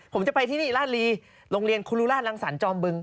ผมจะไปที่นี่ราชรีโรงเรียนครูรุราชรังสรรจอมบึง